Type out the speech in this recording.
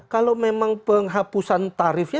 kalau memang penghapusan tarifnya